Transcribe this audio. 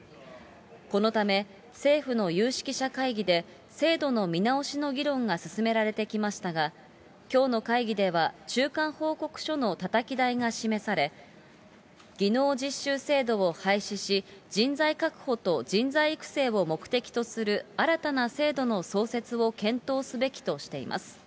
このため、政府の有識者会議で、制度の見直しの議論が進められてきましたが、きょうの会議では中間報告書のたたき台が示され、技能実習制度を廃止し、人材確保と人材育成を目的とする新たな制度の創設を検討すべきとしています。